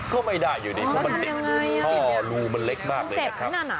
ก็ไม่ได้อยู่ดีเพราะมันติดท่อรูมันเล็กมากเลยนะครับ